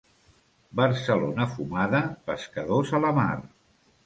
Barcelona fumada, pescadors a la mar.